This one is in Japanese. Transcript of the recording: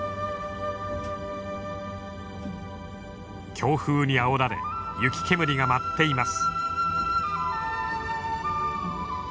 強風にあおられ雪煙が舞っています。